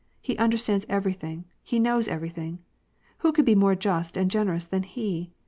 He understands everything, he knows everything ! Who could be more just and generous than he